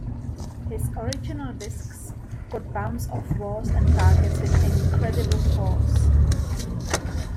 His original discs could bounce off walls and targets with incredible force.